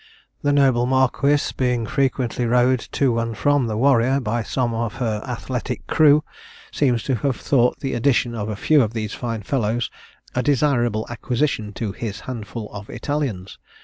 The noble marquis being frequently rowed to and from the Warrior by some of her athletic crew, seems to have thought the addition of a few of these fine fellows a desirable acquisition to his handful of Italians.